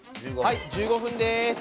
はい１５分です。